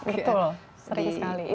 betul sering sekali